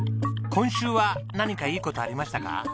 今週は何かいい事ありましたか？